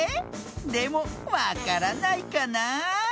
でもわからないかなあ？